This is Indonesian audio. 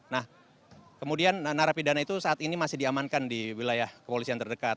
nah kemudian narapidana itu saat ini masih diamankan di wilayah kepolisian terdekat